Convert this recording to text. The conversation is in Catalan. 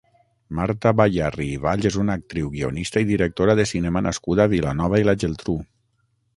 Marta Bayarri i Valls és una actriu, guionista i directora de cinema nascuda a Vilanova i la Geltrú.